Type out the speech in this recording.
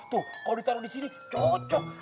tuh kalo ditaro disini cocok